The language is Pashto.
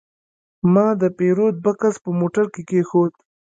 ما د پیرود بکس په موټر کې کېښود.